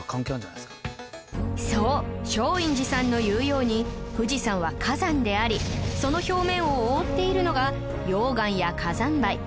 そう松陰寺さんの言うように富士山は火山でありその表面を覆っているのが溶岩や火山灰